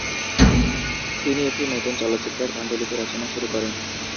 তিনি একটি নতুন চলচ্চিত্রের পাণ্ডুলিপি রচনা শুরু করেন।